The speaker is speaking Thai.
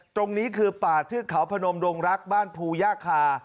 ตรงนี้คือป่าเทือกเขาพนมดงรักบ้านภูย่าคา